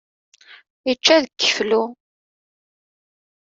Ičča deg iflu.